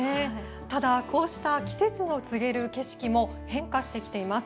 ただこうした季節を告げる景色も変化してきています。